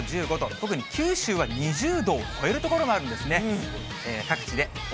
特に九州は２０度を超える所もあるんですね。